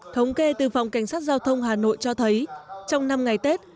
thống kê từ phòng cảnh sát giao thông hà nội cho thấy trong năm ngày tết